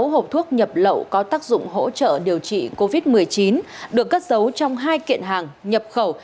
sáu mươi hộp thuốc nhập lậu có tác dụng hỗ trợ điều trị covid một mươi chín được cất giấu trong hai kiện hàng nhập khẩu